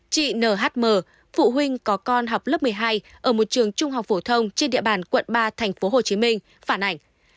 chị nhm phụ huynh có con học lớp một mươi hai ở một trường trung học phổ thông trên địa bàn quận ba tp hcm phản ảnh